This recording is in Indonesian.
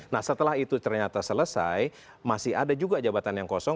nah setelah itu ternyata selesai masih ada juga jabatan yang kosong